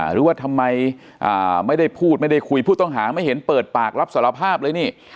หรือว่าทำไมไม่ได้พูดไม่ได้คุยผู้ต้องหาไม่เห็นเปิดปากรับสารภาพเลยนี่